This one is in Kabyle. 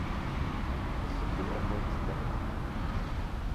Iseggem-akent-ten.